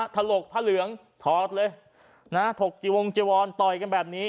ทะหรกพระเหลืองถอดเลยถกจิวงจิวรต่อยกันแบบนี้